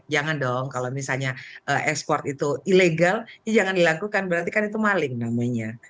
jangan dong kalau misalnya ekspor itu ilegal ini jangan dilakukan berarti kan itu maling namanya